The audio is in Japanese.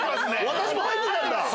私も入ってたんだ！